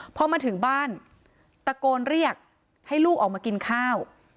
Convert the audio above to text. พอมาถึงบ้านตะโกนเรียกให้ลูกออกมากินข้าว